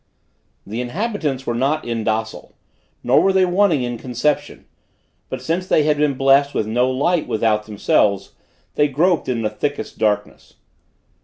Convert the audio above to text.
The inhabitants were not indocile nor were they wanting in conception; but since they had been blessed with no light without themselves, they groped in the thickest darkness.